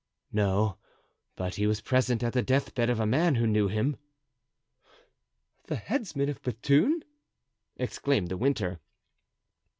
"No; but he was present at the deathbed of a man who knew him." "The headsman of Bethune?" exclaimed De Winter.